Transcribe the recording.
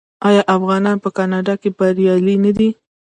آیا افغانان په کاناډا کې بریالي نه دي؟